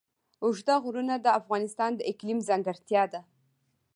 اوږده غرونه د افغانستان د اقلیم ځانګړتیا ده.